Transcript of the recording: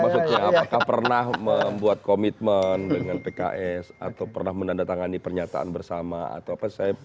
saya tidak tahu persis